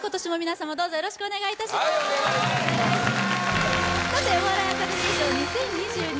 さてお笑いアカデミー賞２０２２